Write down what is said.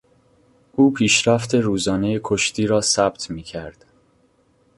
او پیشرفت روزانهی کشتی را ثبت میکرد.